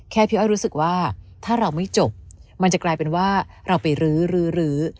พี่อ้อยรู้สึกว่าถ้าเราไม่จบมันจะกลายเป็นว่าเราไปรื้อรื้อ